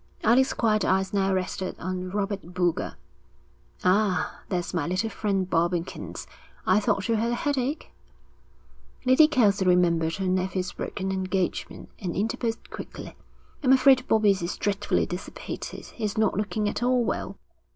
Alec's quiet eyes now rested on Robert Boulger. 'Ah, there's my little friend Bobbikins. I thought you had a headache?' Lady Kelsey remembered her nephew's broken engagement and interposed quickly. 'I'm afraid Bobbie is dreadfully dissipated. He's not looking at all well.'